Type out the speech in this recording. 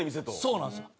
そうなんですよ。